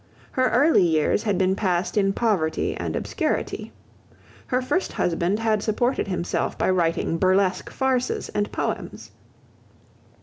Her early years had been passed in poverty and obscurity. Her first husband had supported himself by writing burlesque farces and poems.